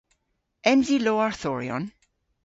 Ens i lowarthoryon?